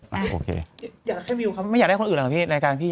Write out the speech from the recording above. อยากให้มิวเปิดมิวไม่อยากให้คนอื่นในการพี่